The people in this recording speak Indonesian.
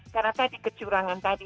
karena tadi kecurangan tadi